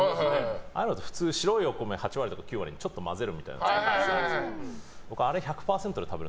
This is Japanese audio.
ああいうのって普通白いお米８割とか９割にちょっと混ぜるみたいなやつじゃないですか。